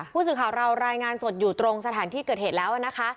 ผู้สื่อข่าวเรารายงานสดอยู่ตรงสถานที่เกิดเหตุแล้วนะคะ